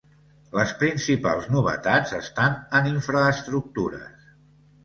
Les principals novetats estan en infraestructures.